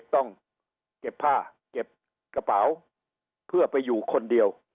ต้องเก็บผ้าเก็บกระเป๋าเพื่อไปอยู่คนเดียว